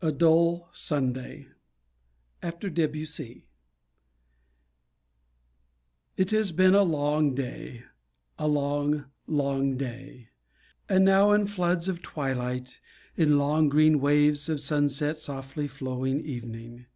A DULL SUNDAY (After Debussy) It has been a long day, A long, long day; And now in floods of twilight, In long green waves of sunset softly flowing, Evening.